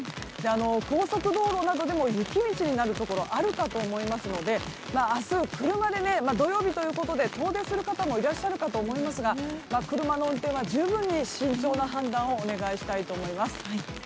高速道路などでも雪道になるところあると思いますので明日土曜日ということで、車で遠出する方もいらっしゃると思いますが車の運転は十分に慎重な判断をお願いしたいと思います。